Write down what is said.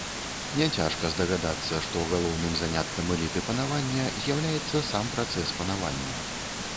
Няцяжка здагадацца, што галоўным заняткам эліты панавання з'яўляецца сам працэс панавання.